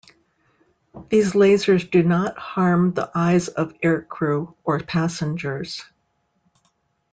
These lasers do not harm the eyes of aircrew or passengers.